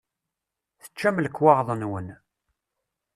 Teččam lekwaɣeḍ-nwen.